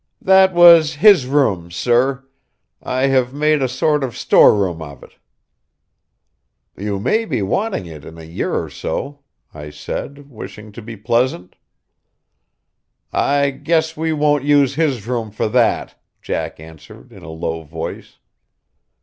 "That was his room, sir. I have made a sort of store room of it." "You may be wanting it in a year or so," I said, wishing to be pleasant. "I guess we won't use his room for that," Jack answered in a low voice.